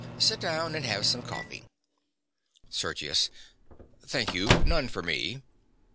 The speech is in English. Sit down, and have some coffee. SERGIUS. Thank you, none for me.